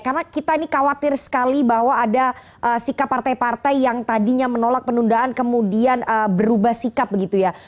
karena kita ini khawatir sekali bahwa ada sikap partai partai yang tadinya menolak penundaan kemudian berubah sikap begitu ya